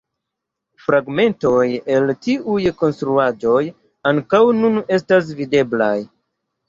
Fragmentoj el tiuj konstruaĵoj ankaŭ nun estas videblaj.